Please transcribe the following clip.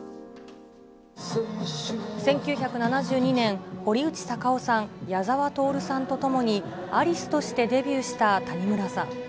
１９７２年、堀内孝雄さん、矢沢透さんと共に、アリスとしてデビューした谷村さん。